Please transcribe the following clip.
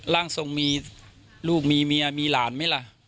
ร่างทรงมีลูกมีเมียมีหลานไหมล่ะ